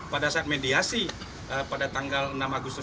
pada saat mediasi pada tanggal enam agustus